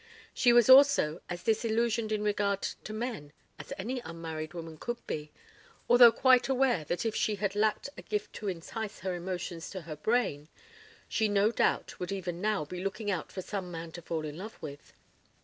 She was also as disillusioned in regard to men as any unmarried woman could be; although quite aware that if she had lacked a gift to entice her emotions to her brain, she no doubt would even now be looking about for some man to fall in love with.